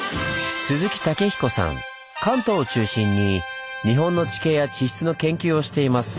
関東を中心に日本の地形や地質の研究をしています。